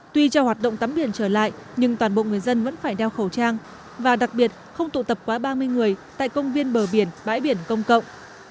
tuy cho hoạt động tắm biển trở lại nhưng toàn bộ người dân vẫn phải đeo khẩu trang và đặc biệt không tụ tập quá ba mươi người tại công viên bờ biển bãi biển công cộng